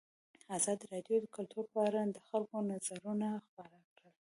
ازادي راډیو د کلتور په اړه د خلکو نظرونه خپاره کړي.